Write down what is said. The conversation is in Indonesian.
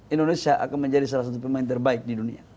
indonesia akan menjadi salah satu pemain terbaik di dunia